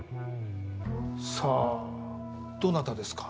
さあどなたですか？